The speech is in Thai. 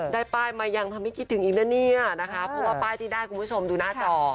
ได้ป้ายมายังทำให้คิดถึงอีกนะเนี่ยนะคะเพราะว่าป้ายที่ได้คุณผู้ชมดูหน้าจอ